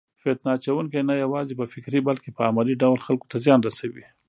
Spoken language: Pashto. فتنه اچونکي نه یوازې په فکري بلکې په عملي ډول خلکو ته زیان رسوي.